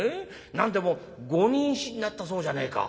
何でもご妊娠になったそうじゃねえか」。